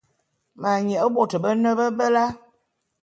Ma nye bot bene bebela.